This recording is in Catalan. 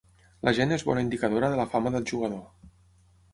La gent és bona indicadora de la fama del jugador.